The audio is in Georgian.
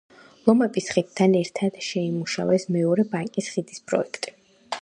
ლომების ხიდთან ერთად შეიმუშავეს მეორე ბანკის ხიდის პროექტი.